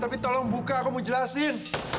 tapi tolong buka aku mau jelasin